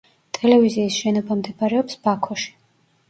ტელევიზიის შენობა მდებარეობს ბაქოში.